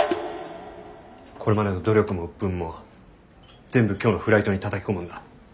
これまでの努力も鬱憤も全部今日のフライトにたたき込むんだ。